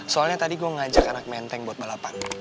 soalnya tadi gue ngajak anak menteng buat balapan